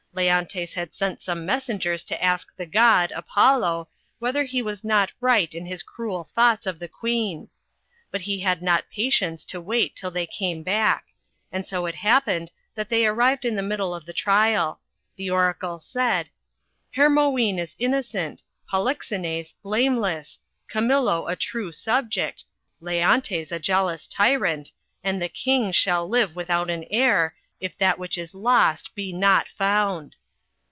Leontes had sent some mes sengers to ask the god, Apollo, whether he was not right in his cruel thoughts of the Queen. But he had not patience to wait till they came back, and so it happened that they arrived in the middle of the trial. The Oracle said — "Hermione is innocent, Polixenes blameless, Camillo a true sub ject, Leontes a jealous tyrant, and the King^ shall live without an heir, if that which is lost be not found."